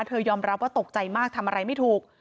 ยอมรับว่าตกใจมากทำอะไรไม่ถูก